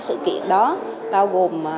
và các sự kiện đó bao gồm